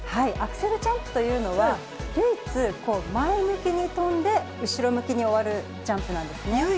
アクセルジャンプというのは、唯一、前向きに跳んで、後ろ向きに終わるジャンプなんですね。